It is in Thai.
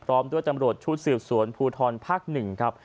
พร้อมด้วยตำรวจชุดสืบสวนภูทรภาค๑ครับ